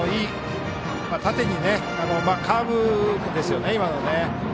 まあカーブですよね、今のは。